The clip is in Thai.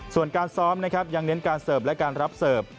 ส่วนการซ้อมนะครับยังเน้นการเสิร์ฟและการรับเสิร์ฟ